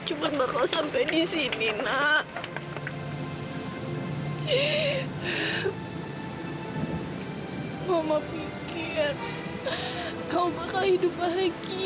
gila bekaslahrellah tuh saat aku balik lagi